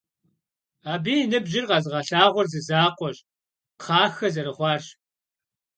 Абы и ныбжьыр къэзыгъэлъагъуэр зы закъуэщ: кхъахэ зэрыхъуарщ.